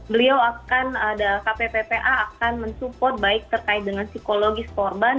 beliau akan ada kpppa akan mensupport baik terkait dengan psikologis korban